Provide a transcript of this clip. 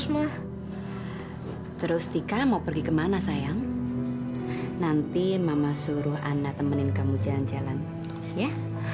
maksudnya mau suruh anna temenin kamu jalan jalan ya